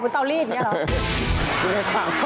เตาลีดอย่างนี้เหรอ